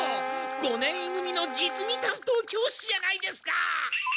五年い組の実技担当教師じゃないですか！